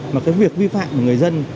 mà cái việc vi phạm người dân